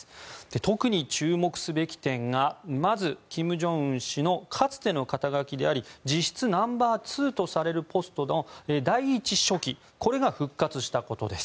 特に注目すべき点がまず、金正恩氏のかつての肩書であり実質ナンバー２とされるポストの第１書記これが復活したことです。